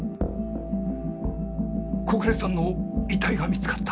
小暮さんの遺体が見つかった！？